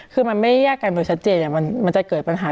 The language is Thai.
คือมันไม่แยกกันโดยชัดเจนมันจะเกิดปัญหา